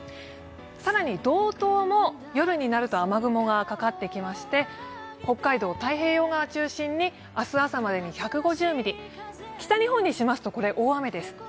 更に道東も夜になると雨雲がかかってきまして、北海道、太平洋側中心に明日朝までに１５０ミリ、北日本にしますと、これ大雨です。